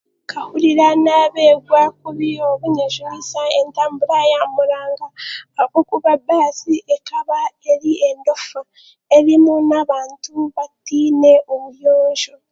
Nkahuriira n'abeerwa kubi obuny'ejunisa entambura y'amuranga ahabw'okuba baasi ekaba eri endoofa eriimu n'abantu batiine buyonjo.